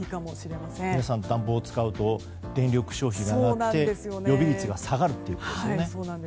皆さん暖房を使うと電力消費が上がって予備率が下がるということですね。